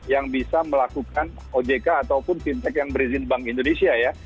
yang bisa melakukan ojk ataupun fintech yang berizin bank indonesia ya